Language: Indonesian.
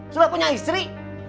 sudah punya istri